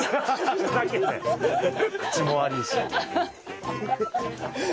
口も悪いし。